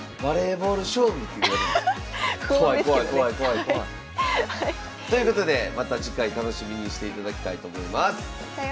怖い怖い怖い怖い怖い。ということでまた次回楽しみにしていただきたいと思います。